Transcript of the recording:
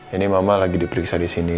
ini mama lagi diperiksa disini